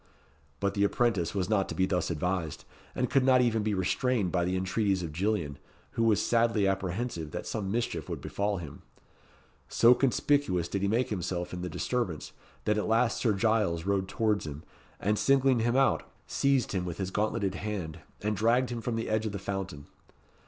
But the apprentice was not to be thus advised; and could not even be restrained by the entreaties of Gillian, who was sadly apprehensive that some mischief would befall him. So conspicuous did he make himself in the disturbance, that at last Sir Giles rode towards him, and singling him out, seized him with his gauntleted hand, and dragged him from the edge of the fountain.